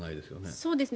そうですね。